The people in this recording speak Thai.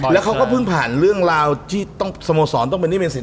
แล้วเขาก็เพิ่งผ่านเรื่องราวที่ต้องสโมสรต้องเป็นหนี้เป็นสิน